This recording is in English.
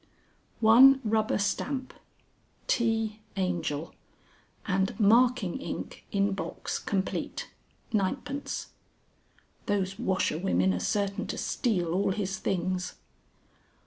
"1 Rubber Stamp, T. Angel, and Marking Ink in box complete, 9d. ("Those washerwomen are certain to steal all his things.")